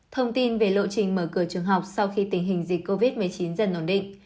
thông tin về lộ trình mở cửa trường học sau khi tình hình dịch covid một mươi chín dần ổn định